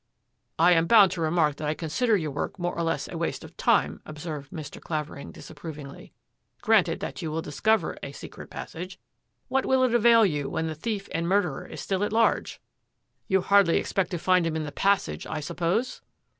" I am bound to remark that I consider your work more or less a waste of time," observed Mr. Clavering disapprovingly. " Granted! that you discover a secret passage, what will it avail you when the thief and murderer is still at large? CLUE OF THE BROKEN CRUTCH 9S You hardly expect to find him in the passage, I suppose?